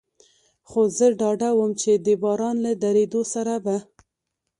خو زه ډاډه ووم، چې د باران له درېدو سره به.